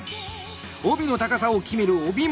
帯の高さを決める帯枕。